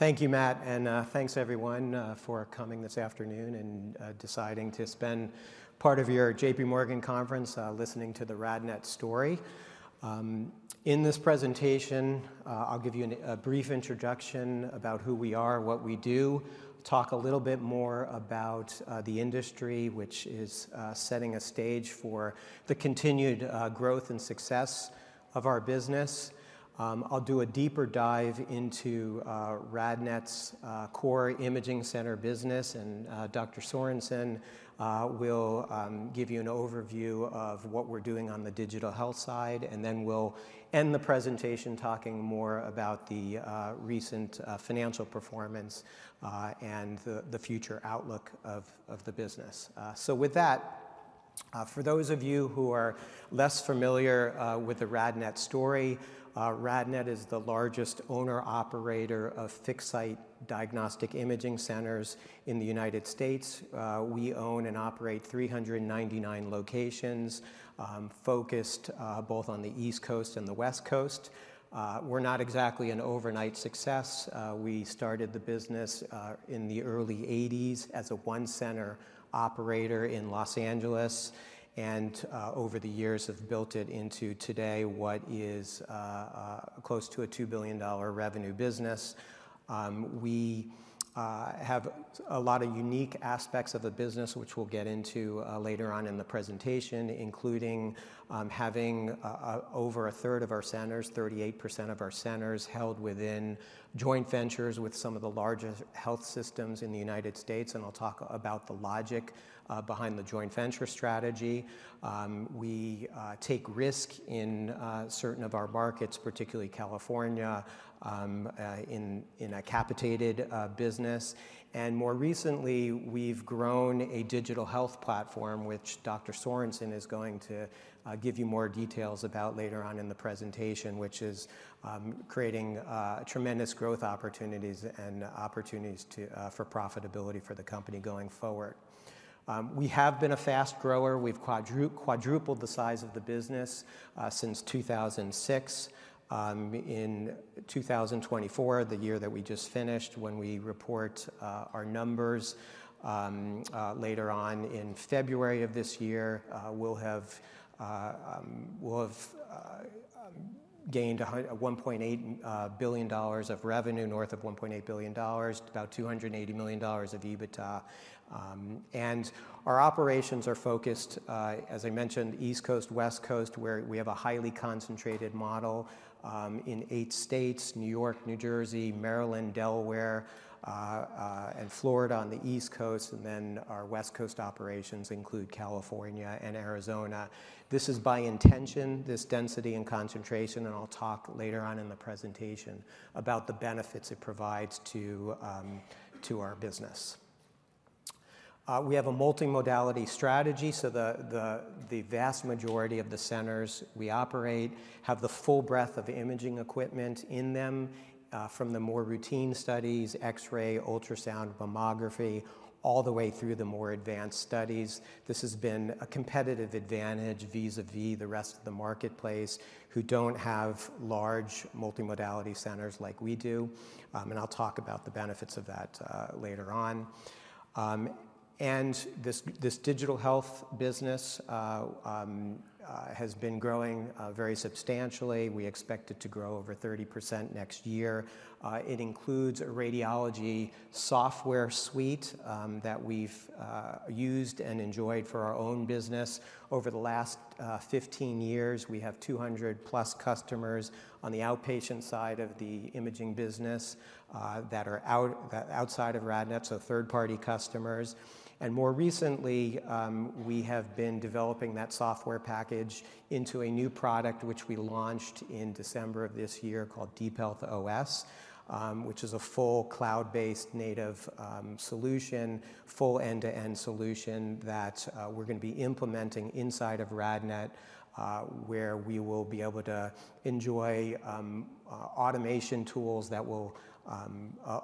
Thank you, Matt, and thanks, everyone, for coming this afternoon and deciding to spend part of your JPMorgan conference listening to the RadNet story. In this presentation, I'll give you a brief introduction about who we are, what we do, talk a little bit more about the industry, which is setting a stage for the continued growth and success of our business. I'll do a deeper dive into RadNet's core imaging center business, and Dr. Sorensen will give you an overview of what we're doing on the digital health side, and then we'll end the presentation talking more about the recent financial performance and the future outlook of the business, so with that, for those of you who are less familiar with the RadNet story, RadNet is the largest owner-operator of fixed-site diagnostic imaging centers in the United States. We own and operate 399 locations focused both on the East Coast and the West Coast. We're not exactly an overnight success. We started the business in the early 1980s as a one-center operator in Los Angeles, and over the years have built it into today what is close to a $2 billion revenue business. We have a lot of unique aspects of the business, which we'll get into later on in the presentation, including having over a third of our centers, 38% of our centers, held within joint ventures with some of the largest health systems in the United States. And I'll talk about the logic behind the joint venture strategy. We take risk in certain of our markets, particularly California, in a capitated business. And more recently, we've grown a Digital Health platform, which Dr. Sorensen is going to give you more details about later on in the presentation, which is creating tremendous growth opportunities and opportunities for profitability for the company going forward. We have been a fast grower. We've quadrupled the size of the business since 2006. In 2024, the year that we just finished, when we report our numbers, later on in February of this year, we'll have gained $1.8 billion of revenue, north of $1.8 billion, about $280 million of EBITDA. And our operations are focused, as I mentioned, East Coast, West Coast, where we have a highly concentrated model in eight states: New York, New Jersey, Maryland, Delaware, and Florida on the East Coast. And then our West Coast operations include California and Arizona. This is by intention, this density and concentration, and I'll talk later on in the presentation about the benefits it provides to our business. We have a multimodality strategy, so the vast majority of the centers we operate have the full breadth of imaging equipment in them from the more routine studies, X-ray, ultrasound, mammography, all the way through the more advanced studies. This has been a competitive advantage vis-à-vis the rest of the marketplace who don't have large multimodality centers like we do. And I'll talk about the benefits of that later on. And this digital health business has been growing very substantially. We expect it to grow over 30% next year. It includes a radiology software suite that we've used and enjoyed for our own business over the last 15 years. We have 200-plus customers on the outpatient side of the imaging business that are outside of RadNet, so third-party customers. More recently, we have been developing that software package into a new product, which we launched in December of this year called DeepHealth OS, which is a full cloud-based native solution, full end-to-end solution that we're going to be implementing inside of RadNet, where we will be able to enjoy automation tools that will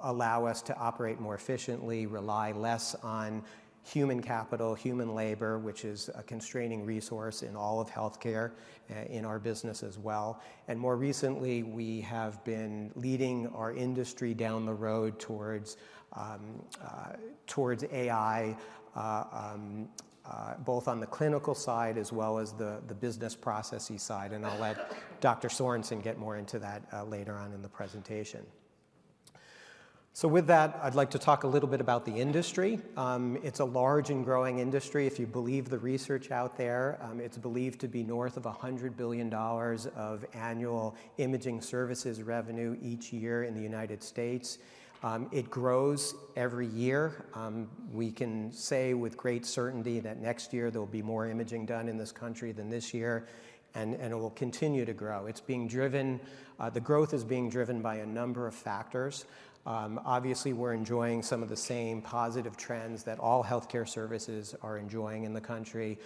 allow us to operate more efficiently, rely less on human capital, human labor, which is a constraining resource in all of healthcare in our business as well. More recently, we have been leading our industry down the road towards AI, both on the clinical side as well as the business processes side. I'll let Dr. Sorensen get more into that later on in the presentation. With that, I'd like to talk a little bit about the industry. It's a large and growing industry, if you believe the research out there. It's believed to be north of $100 billion of annual imaging services revenue each year in the United States. It grows every year. We can say with great certainty that next year there will be more imaging done in this country than this year, and it will continue to grow. The growth is being driven by a number of factors. Obviously, we're enjoying some of the same positive trends that all healthcare services are enjoying in the country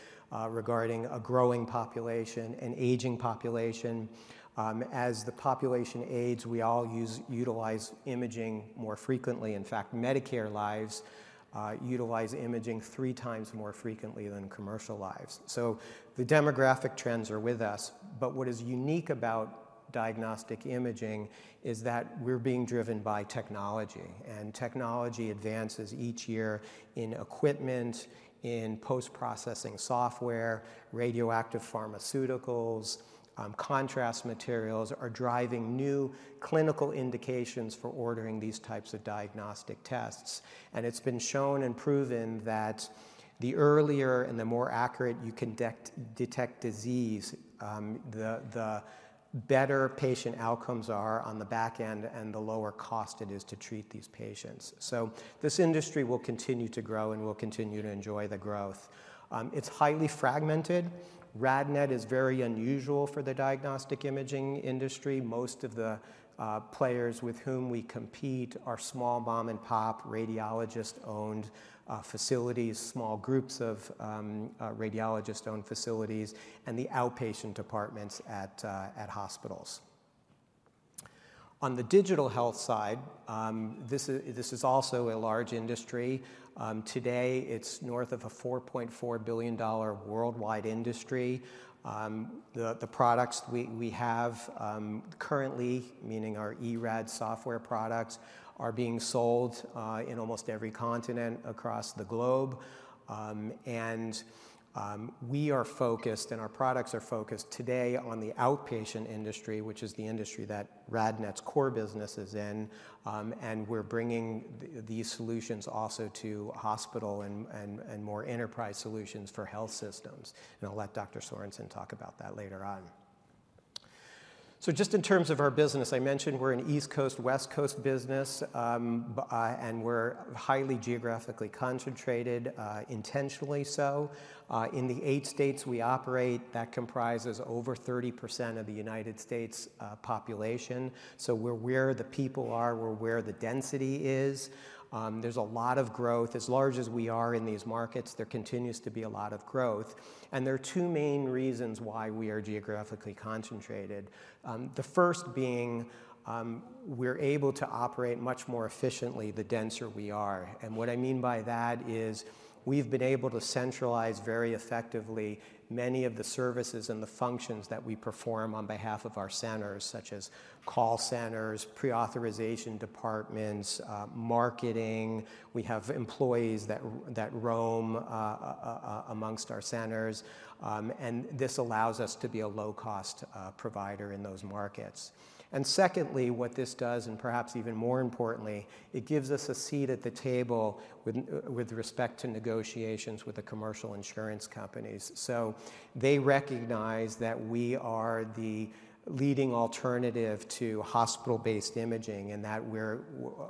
regarding a growing population and aging population. As the population ages, we all utilize imaging more frequently. In fact, Medicare lives utilize imaging three times more frequently than commercial lives. So the demographic trends are with us. But what is unique about diagnostic imaging is that we're being driven by technology. Technology advances each year in equipment, in post-processing software, radioactive pharmaceuticals, contrast materials are driving new clinical indications for ordering these types of diagnostic tests. It's been shown and proven that the earlier and the more accurate you can detect disease, the better patient outcomes are on the back end and the lower cost it is to treat these patients. This industry will continue to grow, and we'll continue to enjoy the growth. It's highly fragmented. RadNet is very unusual for the diagnostic imaging industry. Most of the players with whom we compete are small mom-and-pop radiologist-owned facilities, small groups of radiologist-owned facilities, and the outpatient departments at hospitals. On the digital health side, this is also a large industry. Today, it's north of a $4.4 billion worldwide industry. The products we have currently, meaning our eRAD software products, are being sold in almost every continents across the globe. And we are focused, and our products are focused today on the outpatient industry, which is the industry that RadNet's core business is in. And we're bringing these solutions also to hospitals and more enterprise solutions for health systems. And I'll let Dr. Sorensen talk about that later on. So just in terms of our business, I mentioned we're an East Coast, West Coast business, and we're highly geographically concentrated, intentionally so. In the eight states we operate, that comprises over 30% of the United States population. So we're where the people are, we're where the density is. There's a lot of growth. As large as we are in these markets, there continues to be a lot of growth. And there are two main reasons why we are geographically concentrated. The first being we're able to operate much more efficiently the denser we are. And what I mean by that is we've been able to centralize very effectively many of the services and the functions that we perform on behalf of our centers, such as call centers, pre-authorization departments, marketing. We have employees that roam amongst our centers. And this allows us to be a low-cost provider in those markets. And secondly, what this does, and perhaps even more importantly, it gives us a seat at the table with respect to negotiations with the commercial insurance companies. So they recognize that we are the leading alternative to hospital-based imaging and that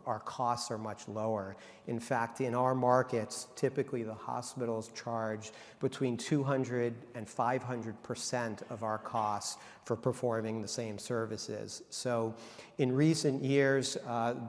our costs are much lower. In fact, in our markets, typically the hospitals charge between 200 and 500% of our costs for performing the same services. So in recent years,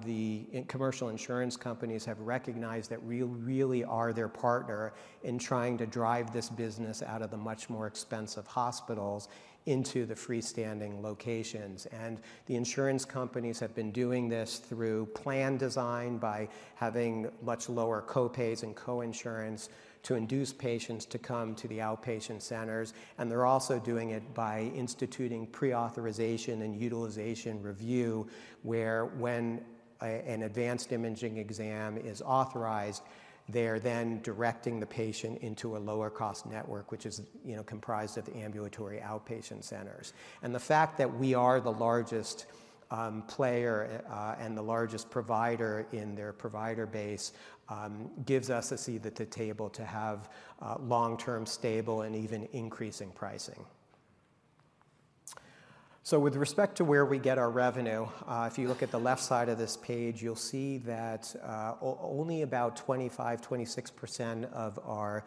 the commercial insurance companies have recognized that we really are their partner in trying to drive this business out of the much more expensive hospitals into the freestanding locations. And the insurance companies have been doing this through plan design by having much lower copays and co-insurance to induce patients to come to the outpatient centers. And they're also doing it by instituting pre-authorization and utilization review, where when an advanced imaging exam is authorized, they're then directing the patient into a lower-cost network, which is comprised of ambulatory outpatient centers. And the fact that we are the largest player and the largest provider in their provider base gives us a seat at the table to have long-term stable and even increasing pricing. So with respect to where we get our revenue, if you look at the left side of this page, you'll see that only about 25%, 26% of our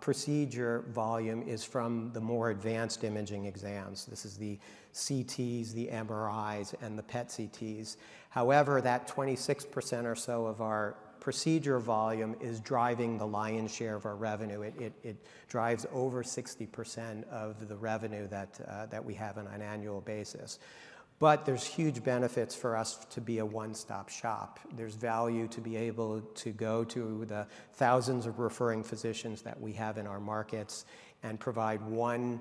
procedure volume is from the more advanced imaging exams. This is the CTs, the MRIs, and the PET CTs. However, that 26% or so of our procedure volume is driving the lion's share of our revenue. It drives over 60% of the revenue that we have on an annual basis. But there's huge benefits for us to be a one-stop shop. There's value to be able to go to the thousands of referring physicians that we have in our markets and provide one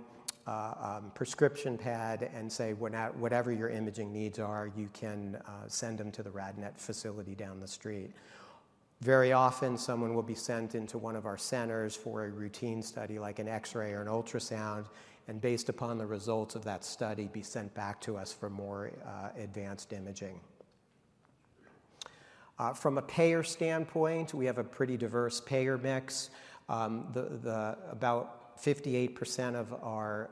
prescription pad and say, "Whatever your imaging needs are, you can send them to the RadNet facility down the street." Very often, someone will be sent into one of our centers for a routine study like an X-ray or an ultrasound, and based upon the results of that study, be sent back to us for more advanced imaging. From a payer standpoint, we have a pretty diverse payer mix. About 58% of our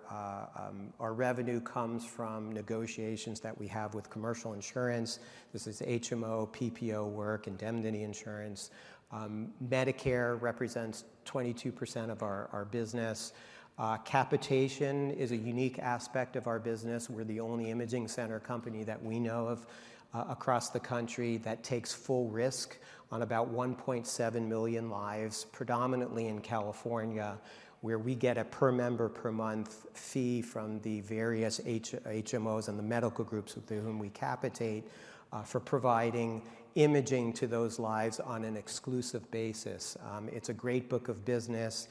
revenue comes from negotiations that we have with commercial insurance. This is HMO, PPO work, indemnity insurance. Medicare represents 22% of our business. Capitation is a unique aspect of our business. We're the only imaging center company that we know of across the country that takes full risk on about 1.7 million lives, predominantly in California, where we get a per-member-per-month fee from the various HMOs and the medical groups with whom we capitate for providing imaging to those lives on an exclusive basis. It's a great book of business.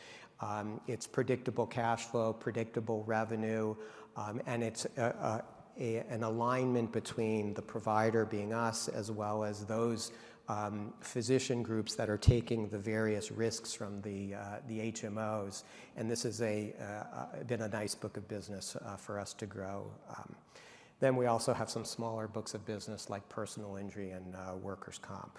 It's predictable cash flow, predictable revenue, and it's an alignment between the provider being us as well as those physician groups that are taking the various risks from the HMOs. And this has been a nice book of business for us to grow. Then we also have some smaller books of business like personal injury and workers' comp.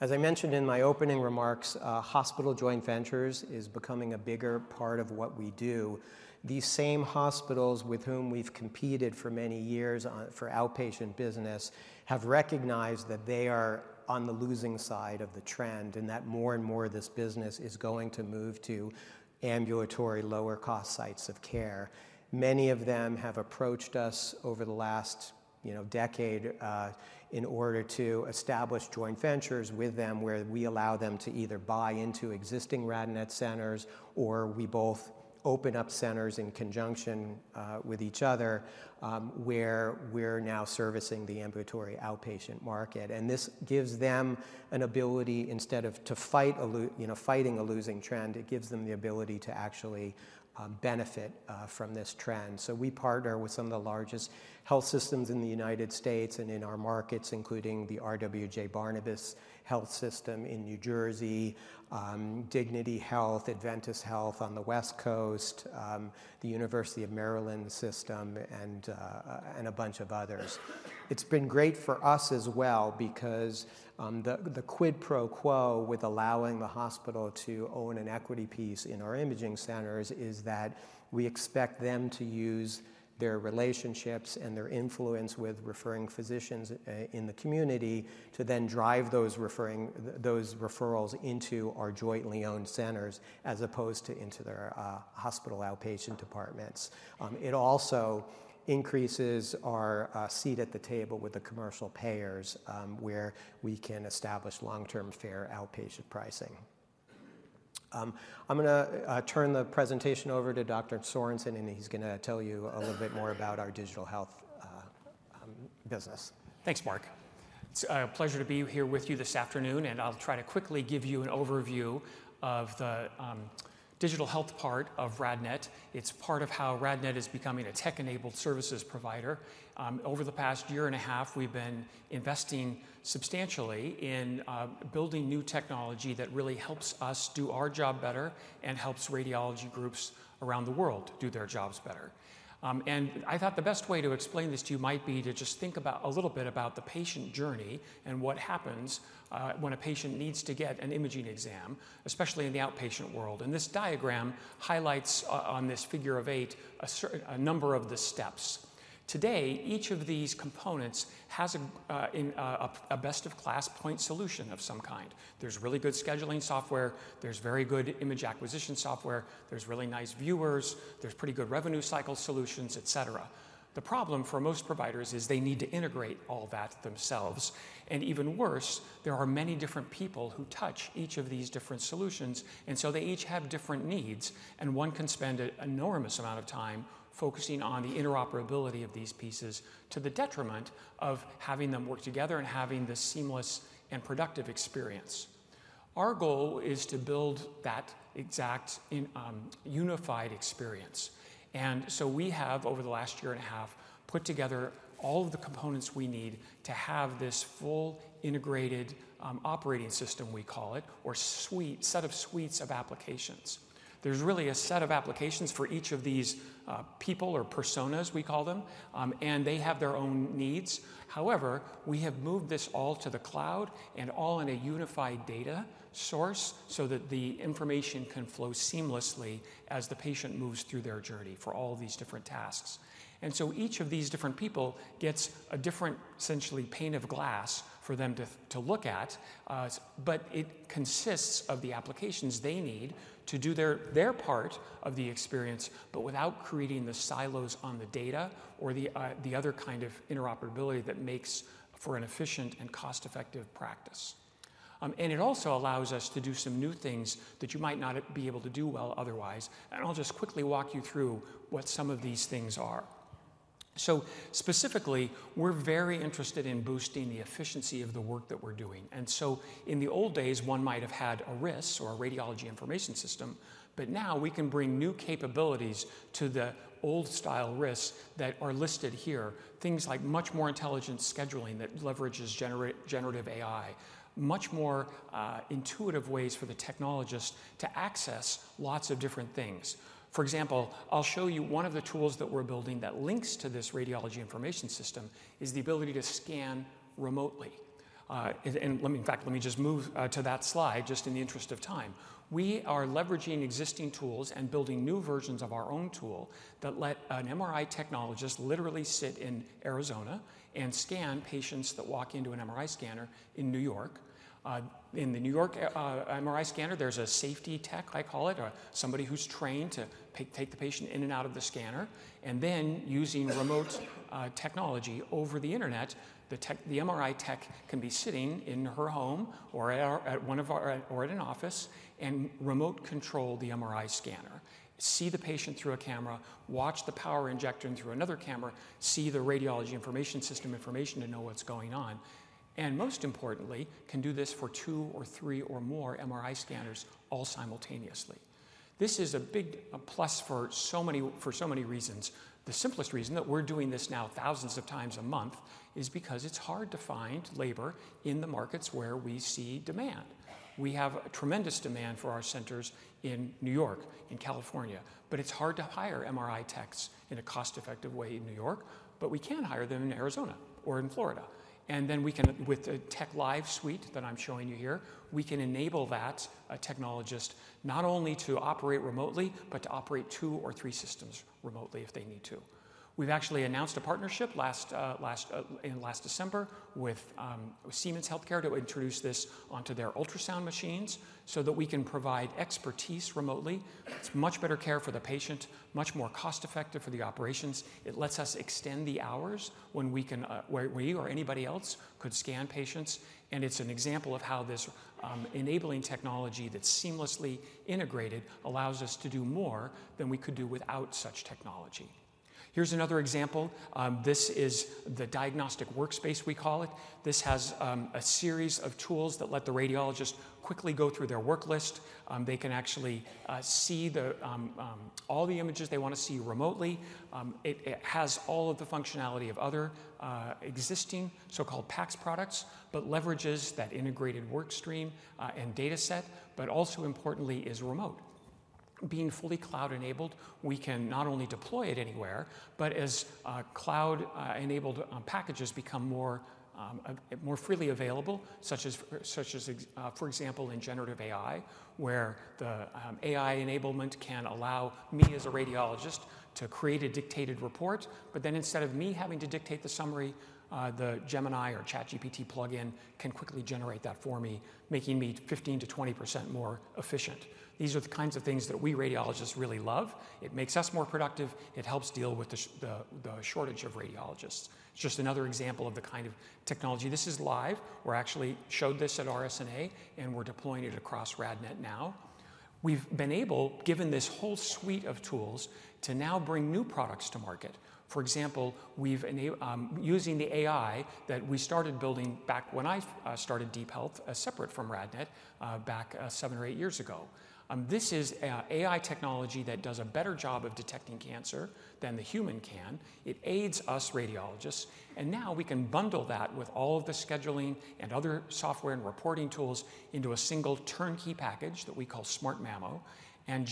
As I mentioned in my opening remarks, hospital joint ventures is becoming a bigger part of what we do. These same hospitals with whom we've competed for many years for outpatient business have recognized that they are on the losing side of the trend and that more and more of this business is going to move to ambulatory lower-cost sites of care. Many of them have approached us over the last decade in order to establish joint ventures with them where we allow them to either buy into existing RadNet centers or we both open up centers in conjunction with each other where we're now servicing the ambulatory outpatient market. And this gives them an ability instead of fighting a losing trend, it gives them the ability to actually benefit from this trend. So we partner with some of the largest health systems in the United States and in our markets, including RWJBarnabas Health in New Jersey, Dignity Health, Adventist Health on the West Coast, the University of Maryland Medical System, and a bunch of others. It's been great for us as well because the quid pro quo with allowing the hospital to own an equity piece in our imaging centers is that we expect them to use their relationships and their influence with referring physicians in the community to then drive those referrals into our jointly owned centers as opposed to into their hospital outpatient departments. It also increases our seat at the table with the commercial payers where we can establish long-term fair outpatient pricing. I'm going to turn the presentation over to Dr. Sorensen, and he's going to tell you a little bit more about our Digital Health business. Thanks, Mark. It's a pleasure to be here with you this afternoon, and I'll try to quickly give you an overview of the digital health part of RadNet. It's part of how RadNet is becoming a tech-enabled services provider. Over the past year and a half, we've been investing substantially in building new technology that really helps us do our job better and helps radiology groups around the world do their jobs better. And I thought the best way to explain this to you might be to just think a little bit about the patient journey and what happens when a patient needs to get an imaging exam, especially in the outpatient world. And this diagram highlights on this figure of eight a number of the steps. Today, each of these components has a best-of-class point solution of some kind. There's really good scheduling software. There's very good image acquisition software. There's really nice viewers. There's pretty good revenue cycle solutions, etc. The problem for most providers is they need to integrate all that themselves. And even worse, there are many different people who touch each of these different solutions, and so they each have different needs. And one can spend an enormous amount of time focusing on the interoperability of these pieces to the detriment of having them work together and having this seamless and productive experience. Our goal is to build that exact unified experience. And so we have, over the last year and a half, put together all of the components we need to have this full integrated operating system, we call it, or set of suites of applications. There's really a set of applications for each of these people or personas, we call them, and they have their own needs. However, we have moved this all to the cloud and all in a unified data source so that the information can flow seamlessly as the patient moves through their journey for all these different tasks, and so each of these different people gets a different, essentially, pane of glass for them to look at, but it consists of the applications they need to do their part of the experience but without creating the silos on the data or the other kind of interoperability that makes for an efficient and cost-effective practice, and it also allows us to do some new things that you might not be able to do well otherwise, and I'll just quickly walk you through what some of these things are. So specifically, we're very interested in boosting the efficiency of the work that we're doing. And so in the old days, one might have had a RIS or a radiology information system, but now we can bring new capabilities to the old-style RIS that are listed here, things like much more intelligent scheduling that leverages generative AI, much more intuitive ways for the technologist to access lots of different things. For example, I'll show you one of the tools that we're building that links to this radiology information system is the ability to scan remotely. And in fact, let me just move to that slide just in the interest of time. We are leveraging existing tools and building new versions of our own tool that let an MRI technologist literally sit in Arizona and scan patients that walk into an MRI scanner in New York. In the New York MRI scanner, there's a safety tech, I call it, somebody who's trained to take the patient in and out of the scanner. And then using remote technology over the internet, the MRI tech can be sitting in her home or in an office and remote control the MRI scanner, see the patient through a camera, watch the power injector and through another camera, see the radiology information system information to know what's going on. And most importantly, can do this for two or three or more MRI scanners all simultaneously. This is a big plus for so many reasons. The simplest reason that we're doing this now thousands of times a month is because it's hard to find labor in the markets where we see demand. We have tremendous demand for our centers in New York, in California, but it's hard to hire MRI techs in a cost-effective way in New York, but we can hire them in Arizona or in Florida. And then with the TechLive Suite that I'm showing you here, we can enable that technologist not only to operate remotely but to operate two or three systems remotely if they need to. We've actually announced a partnership in last December with Siemens Healthineers to introduce this onto their ultrasound machines so that we can provide expertise remotely. It's much better care for the patient, much more cost-effective for the operations. It lets us extend the hours when we or anybody else could scan patients. And it's an example of how this enabling technology that's seamlessly integrated allows us to do more than we could do without such technology. Here's another example. This is the Diagnostic Workspace, we call it. This has a series of tools that let the radiologist quickly go through their worklist. They can actually see all the images they want to see remotely. It has all of the functionality of other existing so-called PACS products but leverages that integrated workstream and data set, but also importantly is remote. Being fully cloud-enabled, we can not only deploy it anywhere, but as cloud-enabled packages become more freely available, such as, for example, in generative AI, where the AI enablement can allow me as a radiologist to create a dictated report, but then instead of me having to dictate the summary, the Gemini or ChatGPT plugin can quickly generate that for me, making me 15%-20% more efficient. These are the kinds of things that we radiologists really love. It makes us more productive. It helps deal with the shortage of radiologists. It's just another example of the kind of technology. This is live. We actually showed this at RSNA, and we're deploying it across RadNet now. We've been able, given this whole suite of tools, to now bring new products to market. For example, using the AI that we started building back when I started DeepHealth separate from RadNet back seven or eight years ago. This is AI technology that does a better job of detecting cancer than the human can. It aids us radiologists. And now we can bundle that with all of the scheduling and other software and reporting tools into a single turnkey package that we call SmartMammo. And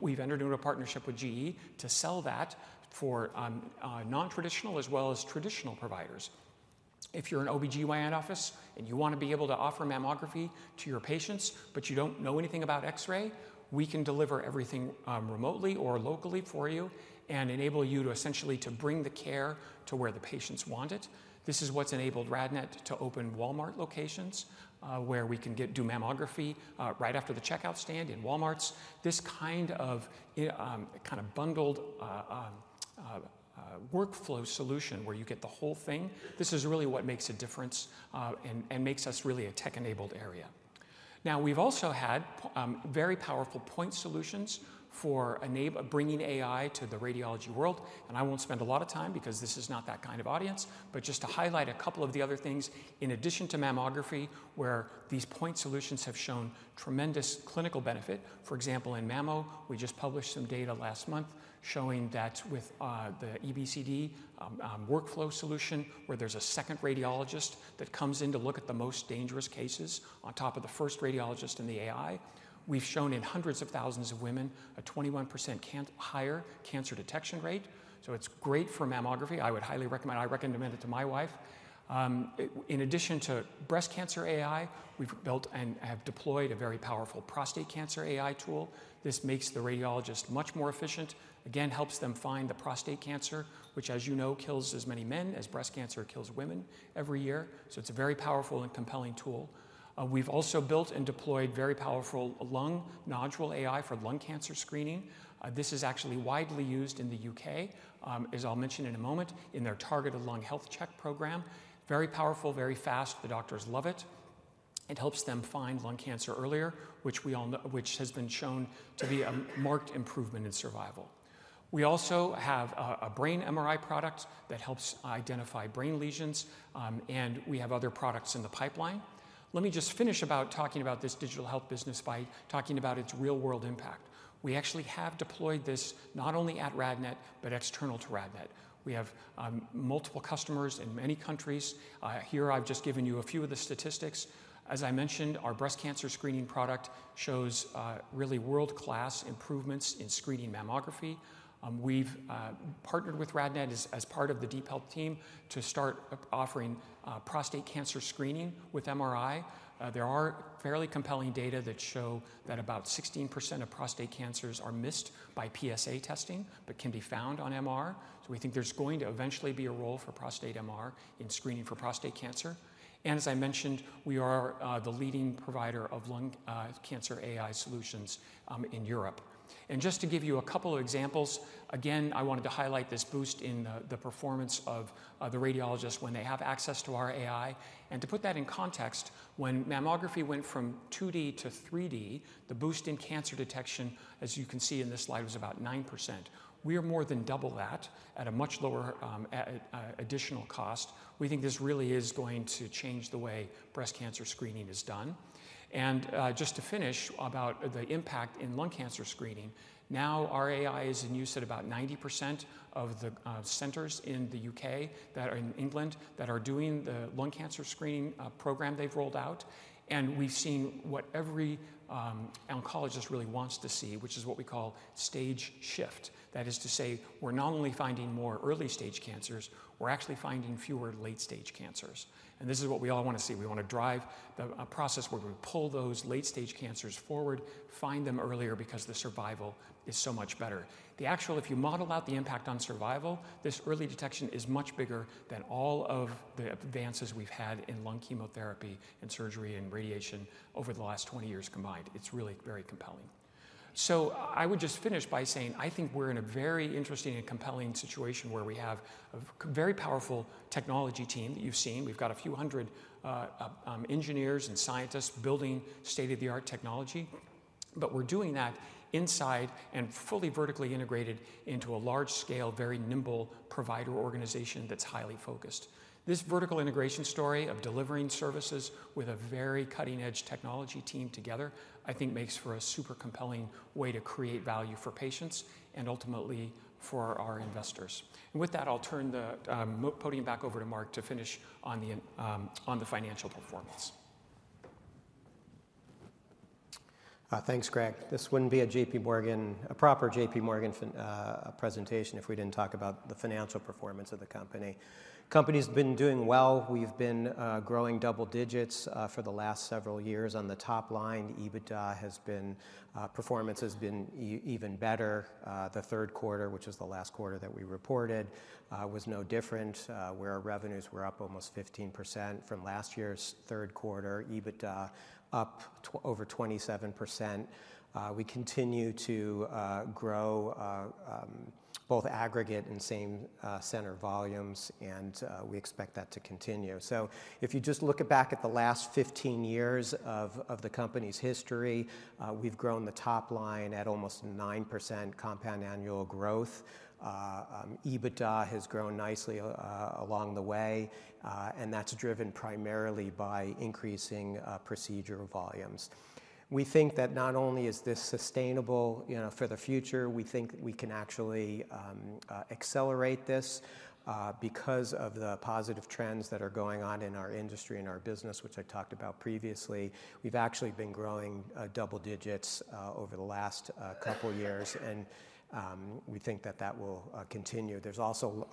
we've entered into a partnership with GE to sell that for non-traditional as well as traditional providers. If you're an OB-GYN office and you want to be able to offer mammography to your patients, but you don't know anything about X-ray, we can deliver everything remotely or locally for you and enable you to essentially bring the care to where the patients want it. This is what's enabled RadNet to open Walmart locations where we can do mammography right after the checkout stand in Walmarts. This kind of bundled workflow solution where you get the whole thing, this is really what makes a difference and makes us really a tech-enabled area. Now, we've also had very powerful point solutions for bringing AI to the radiology world. And I won't spend a lot of time because this is not that kind of audience, but just to highlight a couple of the other things in addition to mammography where these point solutions have shown tremendous clinical benefit. For example, in Mammo, we just published some data last month showing that with the EBCD workflow solution where there's a second radiologist that comes in to look at the most dangerous cases on top of the first radiologist and the AI, we've shown in hundreds of thousands of women a 21% higher cancer detection rate. So it's great for mammography. I would highly recommend it to my wife. In addition to breast cancer AI, we've built and have deployed a very powerful prostate cancer AI tool. This makes the radiologist much more efficient. Again, helps them find the prostate cancer, which, as you know, kills as many men as breast cancer kills women every year. So it's a very powerful and compelling tool. We've also built and deployed very powerful lung nodule AI for lung cancer screening. This is actually widely used in the U.K., as I'll mention in a moment, in their targeted lung health check program. Very powerful, very fast. The doctors love it. It helps them find lung cancer earlier, which has been shown to be a marked improvement in survival. We also have a brain MRI product that helps identify brain lesions, and we have other products in the pipeline. Let me just finish about talking about this Digital Health business by talking about its real-world impact. We actually have deployed this not only at RadNet but external to RadNet. We have multiple customers in many countries. Here, I've just given you a few of the statistics. As I mentioned, our breast cancer screening product shows really world-class improvements in screening mammography. We've partnered with RadNet as part of the DeepHealth team to start offering prostate cancer screening with MRI. There are fairly compelling data that show that about 16% of prostate cancers are missed by PSA testing but can be found on MR. So we think there's going to eventually be a role for prostate MR in screening for prostate cancer. And as I mentioned, we are the leading provider of lung cancer AI solutions in Europe. And just to give you a couple of examples, again, I wanted to highlight this boost in the performance of the radiologist when they have access to our AI. And to put that in context, when mammography went from 2D-3D, the boost in cancer detection, as you can see in this slide, was about 9%. We think this really is going to change the way breast cancer screening is done. Just to finish about the impact in lung cancer screening, now our AI is in use at about 90% of the centers in the U.K. that are in England that are doing the lung cancer screening program they've rolled out. We've seen what every oncologist really wants to see, which is what we call stage shift. That is to say, we're not only finding more early-stage cancers, we're actually finding fewer late-stage cancers. This is what we all want to see. We want to drive the process where we pull those late-stage cancers forward, find them earlier because the survival is so much better. The actual, if you model out the impact on survival, this early detection is much bigger than all of the advances we've had in lung chemotherapy and surgery and radiation over the last 20 years combined. It's really very compelling. So I would just finish by saying I think we're in a very interesting and compelling situation where we have a very powerful technology team that you've seen. We've got a few hundred engineers and scientists building state-of-the-art technology, but we're doing that inside and fully vertically integrated into a large-scale, very nimble provider organization that's highly focused. This vertical integration story of delivering services with a very cutting-edge technology team together, I think, makes for a super compelling way to create value for patients and ultimately for our investors. And with that, I'll turn the podium back over to Mark to finish on the financial performance. Thanks, Greg. This wouldn't be a proper JPMorgan presentation if we didn't talk about the financial performance of the company. The company's been doing well. We've been growing double digits for the last several years. On the top line, EBITDA performance has been even better. The third quarter, which is the last quarter that we reported, was no different. Our revenues were up almost 15% from last year's third quarter. EBITDA up over 27%. We continue to grow both aggregate and same-center volumes, and we expect that to continue. So if you just look back at the last 15 years of the company's history, we've grown the top line at almost 9% compound annual growth. EBITDA has grown nicely along the way, and that's driven primarily by increasing procedure volumes. We think that not only is this sustainable for the future, we think we can actually accelerate this because of the positive trends that are going on in our industry and our business, which I talked about previously. We've actually been growing double digits over the last couple of years, and we think that that will continue. There's also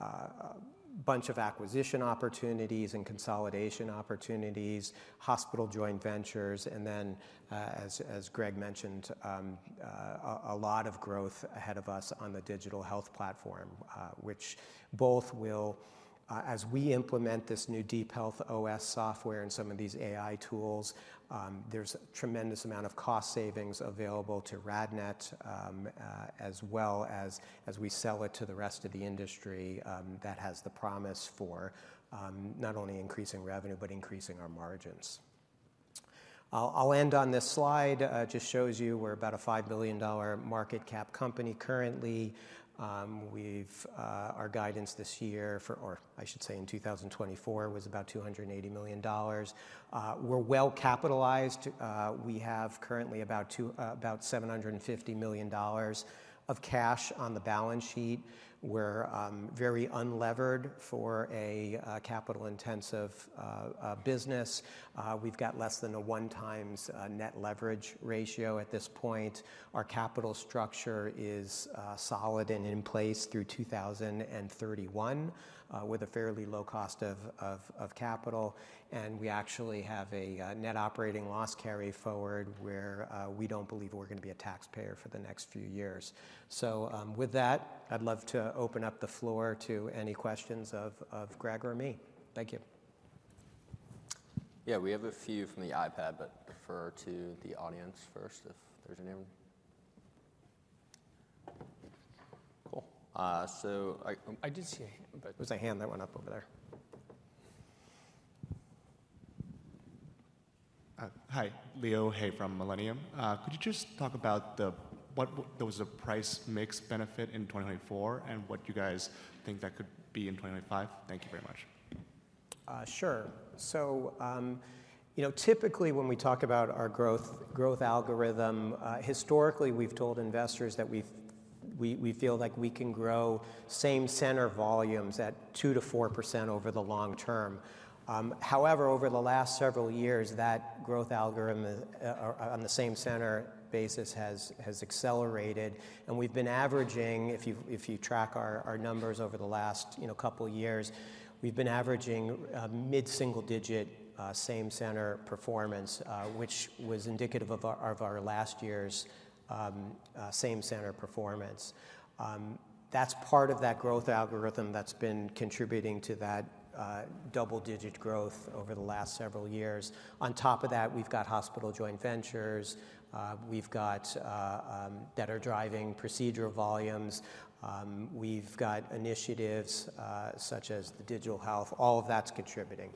a bunch of acquisition opportunities and consolidation opportunities, hospital joint ventures, and then, as Greg mentioned, a lot of growth ahead of us on the Digital Health platform, which both will, as we implement this new DeepHealth OS software and some of these AI tools, there's a tremendous amount of cost savings available to RadNet as well as we sell it to the rest of the industry that has the promise for not only increasing revenue but increasing our margins. I'll end on this slide. It just shows you we're about a $5 billion market cap company currently. Our guidance this year, or I should say in 2024, was about $280 million. We're well capitalized. We have currently about $750 million of cash on the balance sheet. We're very unlevered for a capital-intensive business. We've got less than a one-time net leverage ratio at this point. Our capital structure is solid and in place through 2031 with a fairly low cost of capital. And we actually have a net operating loss carryforward where we don't believe we're going to be a taxpayer for the next few years. So with that, I'd love to open up the floor to any questions of Greg or me. Thank you. Yeah, we have a few from the iPad, but defer to the audience first if there's any. Cool. So I did see a hand. There was a hand that went up over there. Hi, Leo. Hei, from Millennium. Could you just talk about what was the price-mix benefit in 2024 and what you guys think that could be in 2025? Thank you very much. Sure. So typically, when we talk about our growth algorithm, historically, we've told investors that we feel like we can grow same-center volumes at 2%-4% over the long term. However, over the last several years, that growth algorithm on the same-center basis has accelerated. And we've been averaging, if you track our numbers over the last couple of years, we've been averaging mid-single-digit same-center performance, which was indicative of our last year's same-center performance. That's part of that growth algorithm that's been contributing to that double-digit growth over the last several years. On top of that, we've got hospital joint ventures. We've got better driving procedure volumes. We've got initiatives such as Digital Health. All of that's contributing.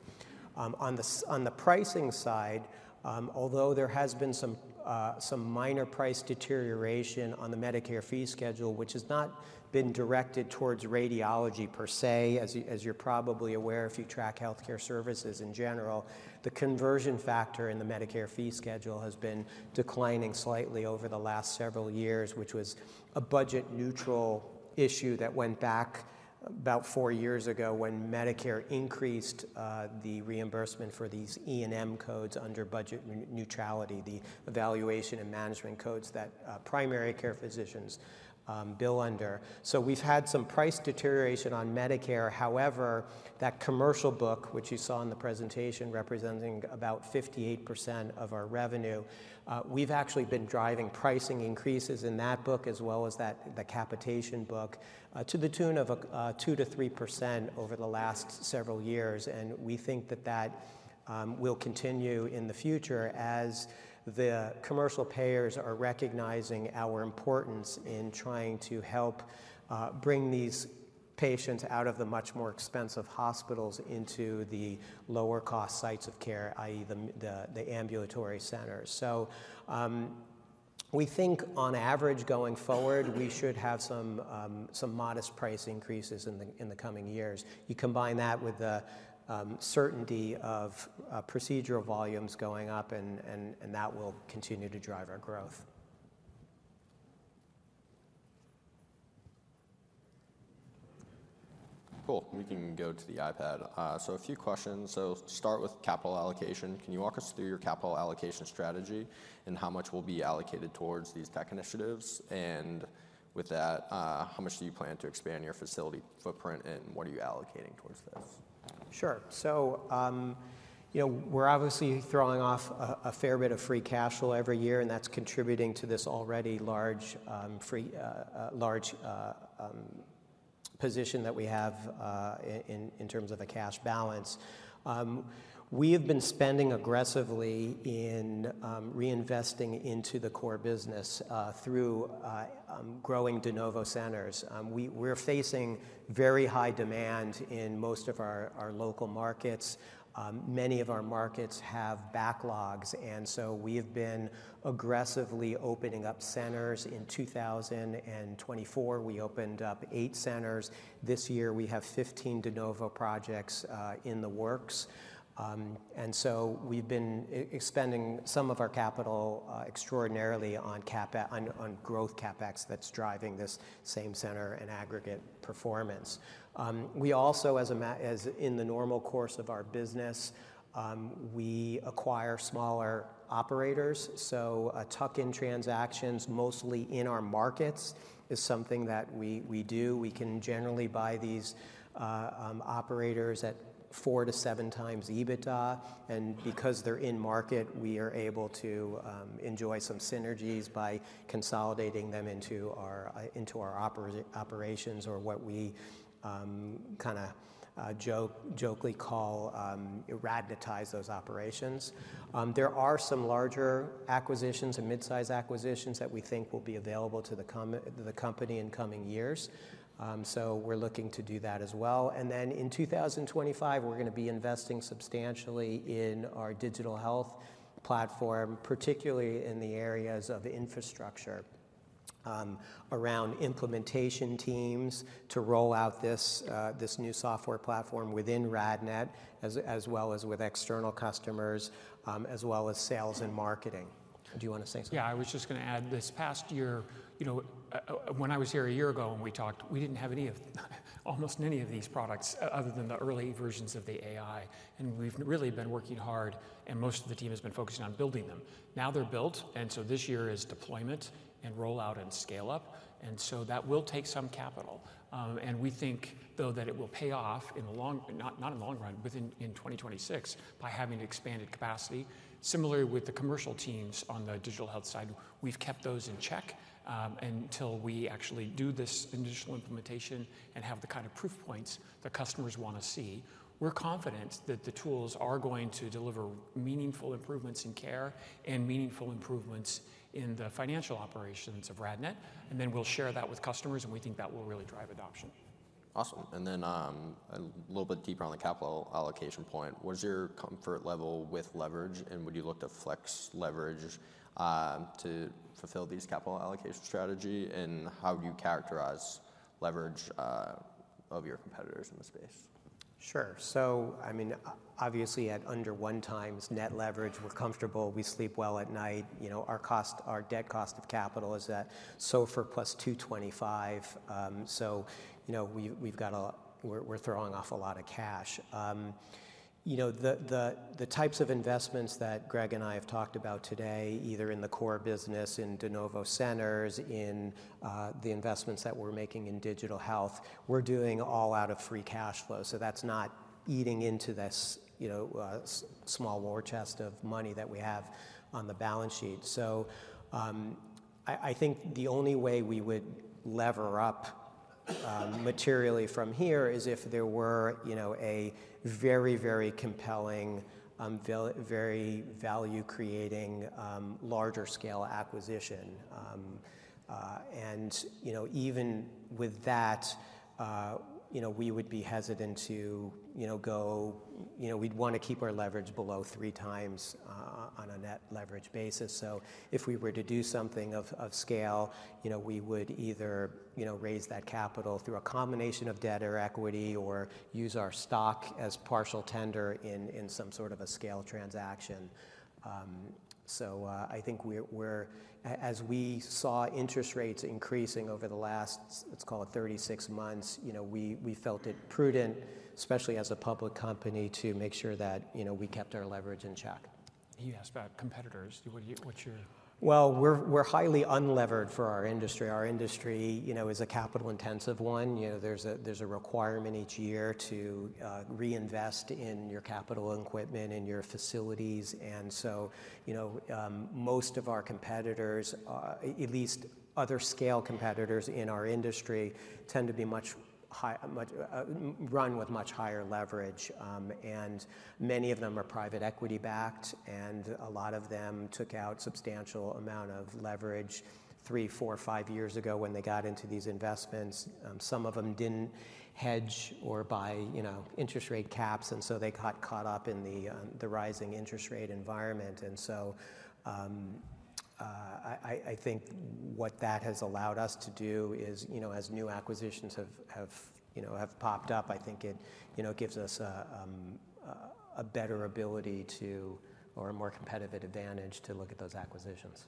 On the pricing side, although there has been some minor price deterioration on the Medicare fee schedule, which has not been directed towards radiology per se, as you're probably aware if you track healthcare services in general, the conversion factor in the Medicare fee schedule has been declining slightly over the last several years, which was a budget-neutral issue that went back about four years ago when Medicare increased the reimbursement for these E&M codes under budget neutrality, the evaluation and management codes that primary care physicians bill under. So we've had some price deterioration on Medicare. However, that commercial book, which you saw in the presentation representing about 58% of our revenue, we've actually been driving pricing increases in that book as well as the capitation book to the tune of 2%-3% over the last several years. And we think that that will continue in the future as the commercial payers are recognizing our importance in trying to help bring these patients out of the much more expensive hospitals into the lower-cost sites of care, i.e., the ambulatory centers. So we think, on average, going forward, we should have some modest price increases in the coming years. You combine that with the certainty of procedure volumes going up, and that will continue to drive our growth. Cool. We can go to the iPad. So a few questions. So start with capital allocation. Can you walk us through your capital allocation strategy and how much will be allocated towards these tech initiatives? And with that, how much do you plan to expand your facility footprint, and what are you allocating towards this? Sure. So we're obviously throwing off a fair bit of free cash flow every year, and that's contributing to this already large position that we have in terms of the cash balance. We have been spending aggressively in reinvesting into the core business through growing de novo centers. We're facing very high demand in most of our local markets. Many of our markets have backlogs, and so we have been aggressively opening up centers. In 2024, we opened up eight centers. This year, we have 15 de novo projects in the works. And so we've been expending some of our capital extraordinarily on growth CapEx that's driving this same-center and aggregate performance. We also, in the normal course of our business, acquire smaller operators. So tuck-in transactions, mostly in our markets, is something that we do. We can generally buy these operators at four to seven times EBITDA. And because they're in market, we are able to enjoy some synergies by consolidating them into our operations or what we kind of jokingly call RadNetize those operations. There are some larger acquisitions and mid-size acquisitions that we think will be available to the company in coming years. So we're looking to do that as well. And then in 2025, we're going to be investing substantially in our Digital Health platform, particularly in the areas of infrastructure around implementation teams to roll out this new software platform within RadNet, as well as with external customers, as well as sales and marketing. Do you want to say something? Yeah, I was just going to add this past year, when I was here a year ago and we talked, we didn't have almost any of these products other than the early versions of the AI. And we've really been working hard, and most of the team has been focusing on building them. Now they're built, and so this year is deployment and rollout and scale-up. And so that will take some capital. And we think, though, that it will pay off in the long, not in the long run, but in 2026 by having expanded capacity. Similarly, with the commercial teams on the digital health side, we've kept those in check until we actually do this initial implementation and have the kind of proof points that customers want to see. We're confident that the tools are going to deliver meaningful improvements in care and meaningful improvements in the financial operations of RadNet, and then we'll share that with customers, and we think that will really drive adoption. Awesome. And then a little bit deeper on the capital allocation point, what is your comfort level with leverage, and would you look to flex leverage to fulfill these capital allocation strategies? And how would you characterize leverage of your competitors in the space? Sure. So I mean, obviously, at under one-time net leverage, we're comfortable. We sleep well at night. Our debt cost of capital is at SOFR plus 225. So we've got a—we're throwing off a lot of cash. The types of investments that Greg and I have talked about today, either in the Core business, in de novo centers, in the investments that we're making in Digital Health, we're doing all out of free cash flow. So that's not eating into this small war chest of money that we have on the balance sheet. So I think the only way we would lever up materially from here is if there were a very, very compelling, very value-creating larger-scale acquisition. And even with that, we would be hesitant to go—we'd want to keep our leverage below three times on a net leverage basis. So if we were to do something of scale, we would either raise that capital through a combination of debt or equity or use our stock as partial tender in some sort of a scale transaction. So I think, as we saw interest rates increasing over the last, let's call it, 36 months, we felt it prudent, especially as a public company, to make sure that we kept our leverage in check. You asked about competitors. What's your? We're highly unlevered for our industry. Our industry is a capital-intensive one. There's a requirement each year to reinvest in your capital equipment and your facilities. And so most of our competitors, at least other scale competitors in our industry, tend to run with much higher leverage. And many of them are private equity-backed, and a lot of them took out a substantial amount of leverage three, four, five years ago when they got into these investments. Some of them didn't hedge or buy interest rate caps, and so they got caught up in the rising interest rate environment. And so I think what that has allowed us to do is, as new acquisitions have popped up, I think it gives us a better ability to—or a more competitive advantage to look at those acquisitions.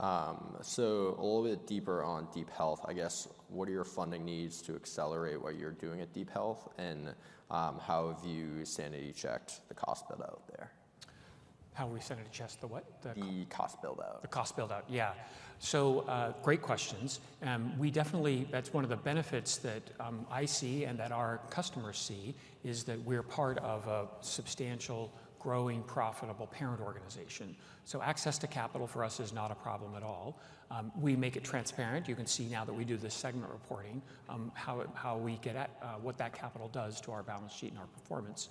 A little bit deeper on DeepHealth, I guess, what are your funding needs to accelerate what you're doing at DeepHealth, and how have you sanity-checked the cost buildout there? How have we sanity-checked the what? The cost buildout. The cost buildout, yeah. So great questions. That's one of the benefits that I see and that our customers see is that we're part of a substantial growing profitable parent organization. So access to capital for us is not a problem at all. We make it transparent. You can see now that we do this segment reporting how we get at what that capital does to our balance sheet and our performance.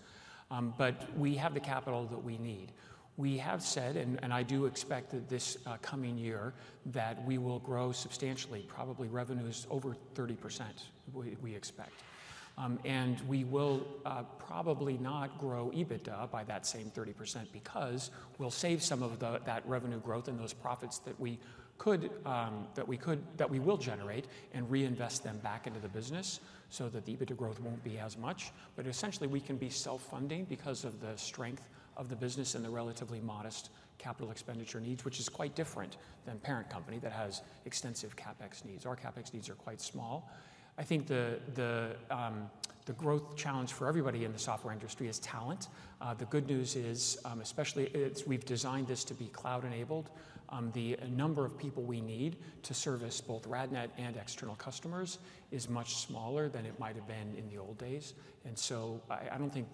But we have the capital that we need. We have said, and I do expect that this coming year, that we will grow substantially, probably revenues over 30%, we expect. And we will probably not grow EBITDA by that same 30% because we'll save some of that revenue growth and those profits that we will generate and reinvest them back into the business so that the EBITDA growth won't be as much. But essentially, we can be self-funding because of the strength of the business and the relatively modest capital expenditure needs, which is quite different than a parent company that has extensive CapEx needs. Our CapEx needs are quite small. I think the growth challenge for everybody in the software industry is talent. The good news is, especially as we've designed this to be cloud-enabled, the number of people we need to service both RadNet and external customers is much smaller than it might have been in the old days. And so I don't think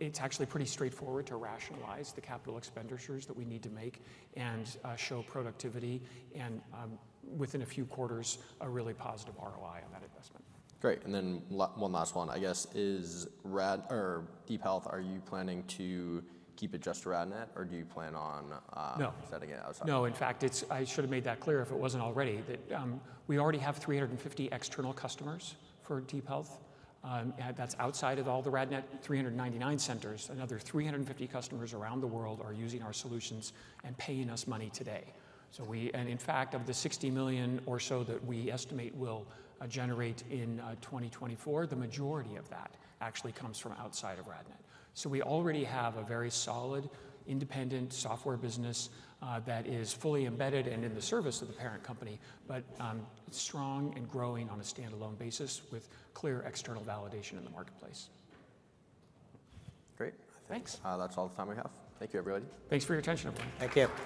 it's actually pretty straightforward to rationalize the capital expenditures that we need to make and show productivity and, within a few quarters, a really positive ROI on that investment. Great. And then one last one, I guess, is DeepHealth, are you planning to keep it just RadNet, or do you plan on setting it outside? No. No, in fact, I should have made that clear if it wasn't already that we already have 350 external customers for DeepHealth. That's outside of all the RadNet 399 centers. Another 350 customers around the world are using our solutions and paying us money today. And in fact, of the $60 million or so that we estimate will generate in 2024, the majority of that actually comes from outside of RadNet. So we already have a very solid, independent Software business that is fully embedded and in the service of the parent company, but strong and growing on a standalone basis with clear external validation in the marketplace. Great. Thanks. That's all the time we have. Thank you, everybody. Thanks for your attention, everyone. Thank you.